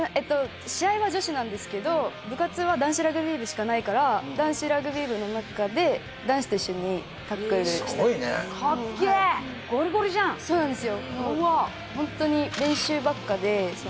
試合は女子なんですけど部活は男子ラグビー部しかないから男子ラグビー部の中で男子と一緒にタックルしたりすごいねそうなんですよ